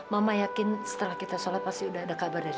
mama yakin setelah kita sholat pasti udah ada kabar dari